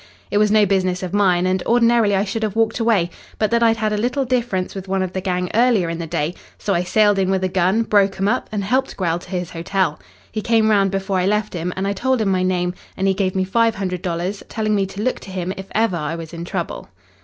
It was no business of mine and ordinarily I should have walked away, but that I'd had a little difference with one of the gang earlier in the day, so I sailed in with a gun, broke 'em up, and helped Grell to his hotel. He came round before I left him, and I told him my name, and he gave me five hundred dollars, telling me to look to him if ever I was in trouble.